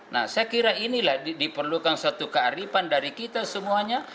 nah saya kira inilah diperlukan suatu kearifan dari kita semuanya